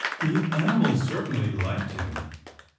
The animal certainly liked him.